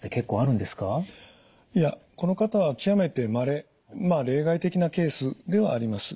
いやこの方は極めてまれまあ例外的なケースではあります。